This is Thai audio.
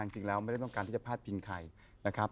จริงแล้วไม่ได้ต้องการที่จะพาดพิงใครนะครับ